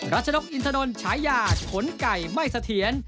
รัชนกอินทนนท์ฉายาขนไก่ไม่เสถียร